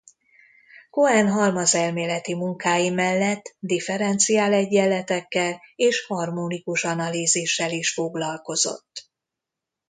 Cohen halmazelméleti munkái mellett differenciálegyenletekkel és harmonikus analízissel is foglalkozott.